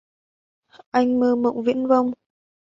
Anh mơ mộng viễn vông